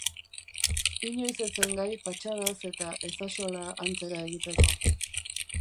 Inoiz ez zen gai patxadaz eta ezaxola antzera egiteko.